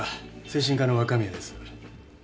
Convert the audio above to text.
精神科の若宮です。